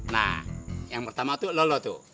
nah yang pertama tuh lo lo tuh